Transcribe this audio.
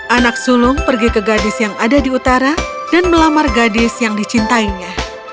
anak sulung pergi ke gadis yang ada di utara dan melamar gadis yang dicintainya